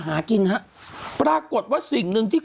คุณหนุ่มกัญชัยได้เล่าใหญ่ใจความไปสักส่วนใหญ่แล้ว